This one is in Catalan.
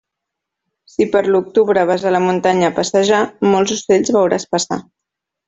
Si, per l'octubre, vas a la muntanya a passejar, molts ocells veuràs passar.